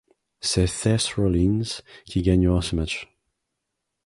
C'est Seth Rollins qui gagnera se match.